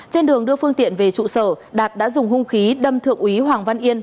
trên đường đưa phương tiện về trụ sở đạt đã dùng hung khí đâm thượng úy hoàng văn yên